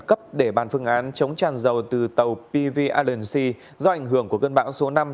cấp để bàn phương án chống tràn dầu từ tàu pv alc do ảnh hưởng của cơn bão số năm